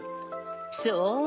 そう。